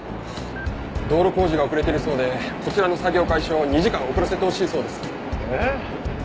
道路工事が遅れてるそうでこちらの作業開始を２時間遅らせてほしいそうです。え？